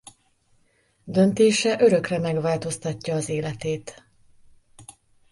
Döntése örökre megváltoztatja az életét.